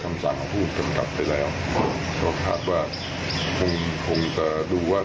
คำสั่งของผู้กำกับไปแล้วก็คาดว่าคงคงจะดูว่า